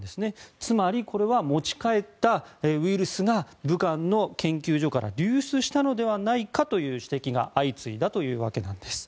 つまり、これは持ち帰ったウイルスが武漢の研究所から流出したのではないかという指摘が相次いだというわけなんです。